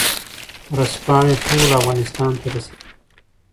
ورځپاڼې ټول افغانستان ته رسېدې.